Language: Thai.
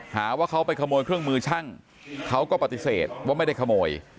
หาว่าเขาไปขโมยเครื่องมือช่างเขาก็ปฏิเสธว่าไม่ได้ขโมย